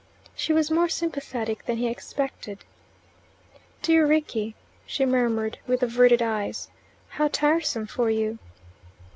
She was more sympathetic than he expected. "Dear Rickie," she murmured with averted eyes. "How tiresome for you."